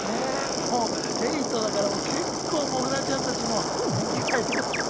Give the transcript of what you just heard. もう８だから結構モグラちゃんたちも年季が入ってきましたよ。